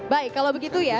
baik kalau begitu ya